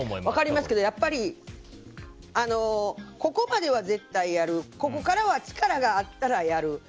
分かりますけどやっぱり、ここまでは絶対やるここからは力があったらやる